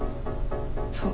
そう。